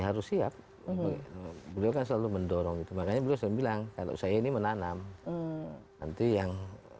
harus siap beliau kan selalu mendorong itu makanya beliau selalu bilang kalau saya ini menanam nanti yang